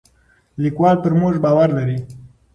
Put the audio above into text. لیکوال پر موږ باور لري.